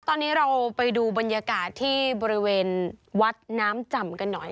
ตอนนี้เราไปดูบรรยากาศที่บริเวณวัดน้ำจำกันหน่อย